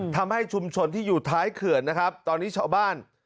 ทำให้ชุมชนที่อยู่ท้ายเขื่อนนะครับตอนนี้ชาวบ้าน